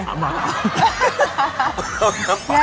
แย่แล้ว